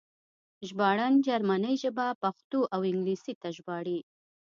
ژباړن جرمنۍ ژبه پښتو او انګلیسي ته ژباړي